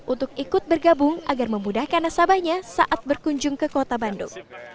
untuk ikut bergabung agar memudahkan nasabahnya saat berkunjung ke kota bandung